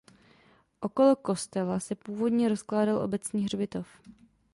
Okolo kostela se původně rozkládal obecní hřbitov.